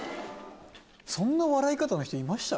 そんな笑い方の人いました？